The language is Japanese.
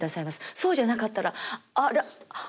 そうじゃなかったらあらええっ！？